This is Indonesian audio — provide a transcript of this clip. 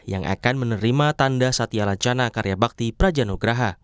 yang akan menerima tanda satya lacana karya bakti prajanograha